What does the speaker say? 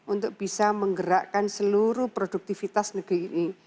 untuk bisa menggerakkan seluruh produktivitas negeri ini